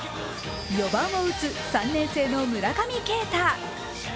４番を打つ３年生の村上慶太。